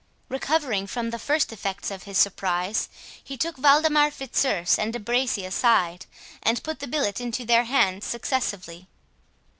Recovering from the first effects of his surprise, he took Waldemar Fitzurse and De Bracy aside, and put the billet into their hands successively.